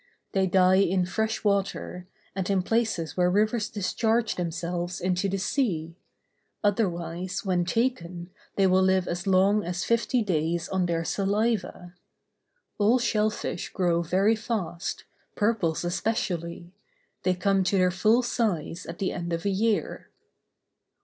They die in fresh water, and in places where rivers discharge themselves into the sea; otherwise, when taken, they will live as long as fifty days on their saliva. All shell fish grow very fast, purples especially; they come to their full size at the end of a year.